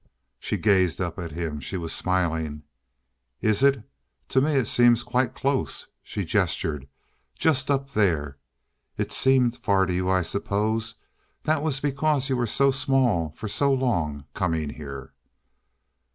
She gazed up at him. She was smiling. "Is it? To me it seems quite close." She gestured. "Just up there. It seemed far to you, I suppose that was because you were so small, for so long, coming here."